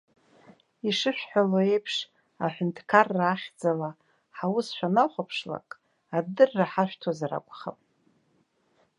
Ишышәҳәало еиԥш, аҳәынҭқарра ахьӡала ҳус шәанахәаԥшлак, адырра ҳашәҭозар акәхап.